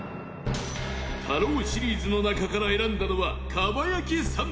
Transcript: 太郎シリーズの中から選んだのは蒲焼さん